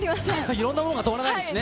いろんなものが止まらないんですね。